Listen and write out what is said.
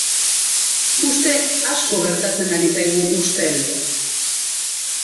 Uste asko gertatzen ari zaigu ustel.